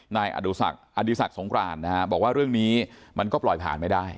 นายอดีสักอดีษักทรงกรานนะฮะบอกว่าเรื่องนี้มันก็ปล่อยผ่านไหมได้